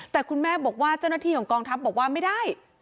แต่คุณแม่บอกว่าเจ้าหน้าที่ของกองทัพบอกว่าไม่ได้